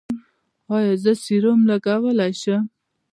ایا زه سیروم لګولی شم؟